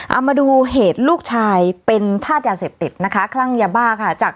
เอามาดูเหตุลูกชายเป็นทาสยาเสพเต็ดคลั่งยาบ้าครับ